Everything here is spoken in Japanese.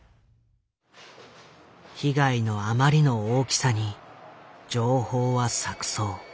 被害のあまりの大きさに情報は錯綜。